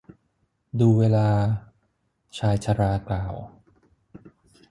ดูเวลา ชายชรากล่าว